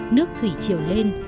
nước thủy chiều lên